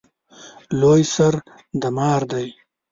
لوی سر د مار دی